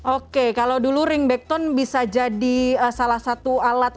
oke kalau dulu ringback tone bisa jadi salah satu alat